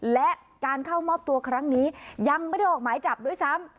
และการเข้ามอบตัวครั้งนี้ยังไม่ได้ออกหมายจับด้วยซ้ำ